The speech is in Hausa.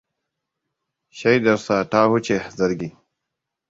Shaidarsa ta huce zargi.